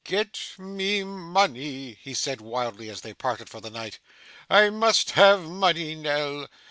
'Get me money,' he said wildly, as they parted for the night. 'I must have money, Nell.